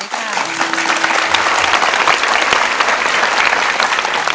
สวัสดีครับ